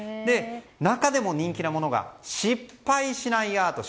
中でも人気なものが失敗しないアート。